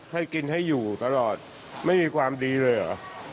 ให้กินให้อยู่ตลอดไม่มีความดีเลยเหรอ